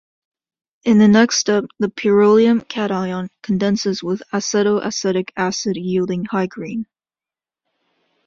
In the next step, the pyrrolium cation condenses with acetoacetic acid yielding hygrine.